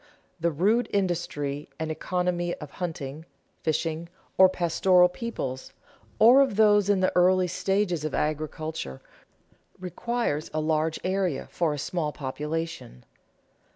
The rude industry and economy of hunting, fishing, or pastoral peoples, or of those in the earlier stages of agriculture, requires a large area for a small population.